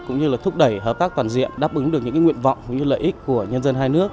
cũng như là thúc đẩy hợp tác toàn diện đáp ứng được những nguyện vọng cũng như lợi ích của nhân dân hai nước